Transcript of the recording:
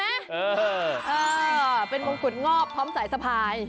เออเป็นมงกุฎงอกพร้อมสายสะพาย